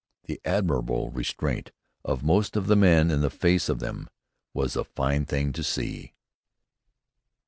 The admirable restraint of most of the men in the face of them was a fine thing to see.